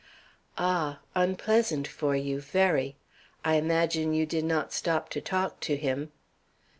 "Ah! Unpleasant for you, very. I imagine you did not stop to talk to him."